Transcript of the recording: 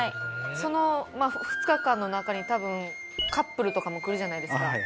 その２日間の中に多分カップルとかも来るじゃないですか。